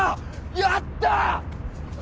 やったー！